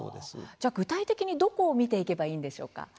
じゃあ具体的に、どこを見ていけばいいんでしょうか。